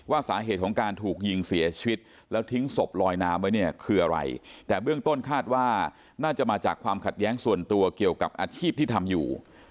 สาเหตุของการถูกยิงเสียชีวิตแล้วทิ้งศพลอยน้ำไว้เนี่ยคืออะไรแต่เบื้องต้นคาดว่าน่าจะมาจากความขัดแย้งส่วนตัวเกี่ยวกับอาชีพที่ทำอยู่